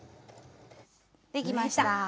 できました。